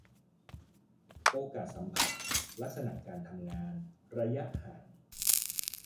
โอกาสสัมผัส ลักษณะการทำงาน ระยะห่าง